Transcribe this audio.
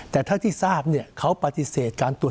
แต่ถ้าที่ทราบเขาปฏิเสธการตรวจ